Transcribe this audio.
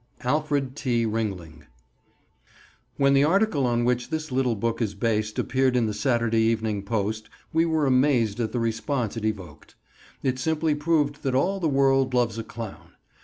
ALFRED T. RINGLING. PREFACE When the article on which this little book is based appeared in the Saturday Evening Post we were amazed at the response it evoked. It simply proved that all the world loves a clown.